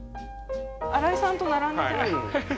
新井さんと並んでじゃあ。